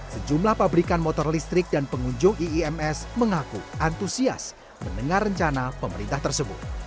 sejumlah pabrikan motor listrik dan pengunjung iims mengaku antusias mendengar rencana pemerintah tersebut